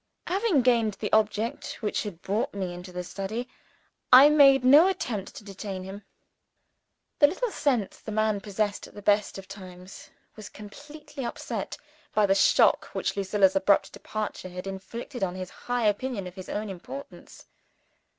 Having gained the object which had brought me into the study, I made no attempt to detain him. The little sense the man possessed at the best of times, was completely upset by the shock which Lucilla's abrupt departure had inflicted on his high opinion of his own importance.